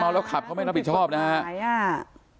เมาแล้วขับเขาไม่รับผิดชอบนะครับ